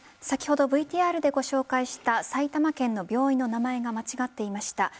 先ほどＶＴＲでご紹介した埼玉県の病院の名前が間違っていました。